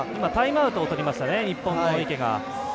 タイムアウトをとりました日本の池。